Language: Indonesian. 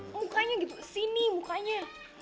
mukanya gitu sini mukanya